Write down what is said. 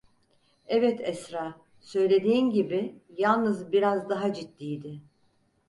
Evet Esra, söylediğin gibi, yalnız biraz daha ciddiydi…